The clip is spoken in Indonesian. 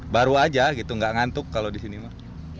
baru aja gitu gak ngantuk kalau di sini mah